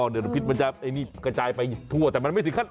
เดี๋ยวพิษมันจะกระจายไปทั่วแต่มันไม่สิ้นขั้น